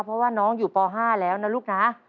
เพราะว่าน้องอยู่ป๕แล้วนะลูกนะ